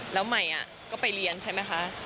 แล้วใหม่ก็ไปเรียนใช่ไหมคะ